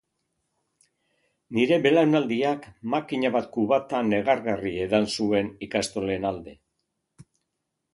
Nire belaunaldiak makina bat kubata negargarri edan zuen ikastolen alde.